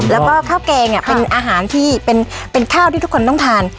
แล้วก็ข้าวแกงเป็นอาหารที่เป็นข้าวที่ทุกคนต้องทาน